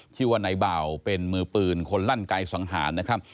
ชื่อว่านายเบาเป็นมือปืนคนลั่นไกสังหารนะครับ